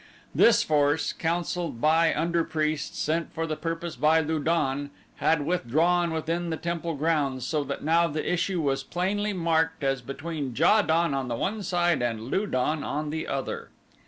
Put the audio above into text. This force, counseled by under priests sent for the purpose by Lu don, had withdrawn within the temple grounds so that now the issue was plainly marked as between Ja don on the one side and Lu don on the other.